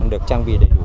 được trang bị đầy đủ